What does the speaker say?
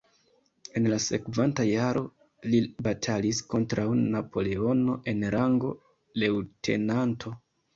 En la sekvanta jaro li batalis kontraŭ Napoleono en rango leŭtenanto.